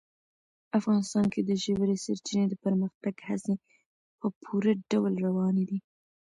افغانستان کې د ژورې سرچینې د پرمختګ هڅې په پوره ډول روانې دي.